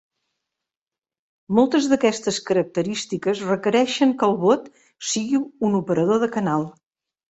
Moltes d'aquestes característiques requereixen que el bot sigui un operador de canal.